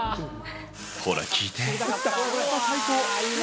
ほら、聞いて。